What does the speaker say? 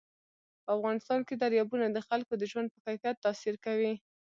په افغانستان کې دریابونه د خلکو د ژوند په کیفیت تاثیر کوي.